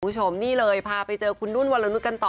คุณผู้ชมนี่เลยพาไปเจอคุณนุ่นวรนุษย์กันต่อ